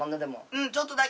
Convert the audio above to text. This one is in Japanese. うんちょっとだけ。